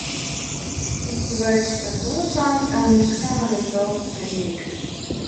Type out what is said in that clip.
It provides a fuller sound and is a commonly taught technique.